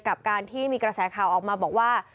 กับการที่มีกระแสข่าวออกมาบอกว่า